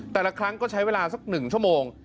แต่ละครั้งก็ใช้เวลาสัก๑ชั่วโมง